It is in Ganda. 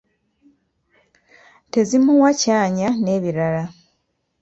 tezimuwa kyanya n’ebirala